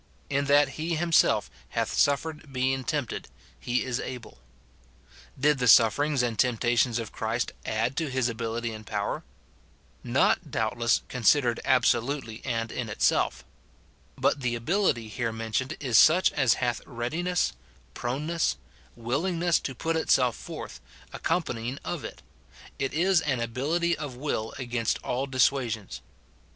" In that he him self hath suffered being tempted, he is able." Did the sufferings and temptations of Christ add to his ability and power ? Not, doubtless, considered absolutely and in it itself. But the ability here mentioned is such as hath readiness, proneness, willingness to put itself forth, accompanying of it ; it is an ability of will against all dissuasions.